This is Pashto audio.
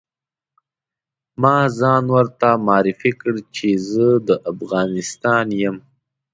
ما ځان ورته معرفي کړ چې زه د افغانستان یم.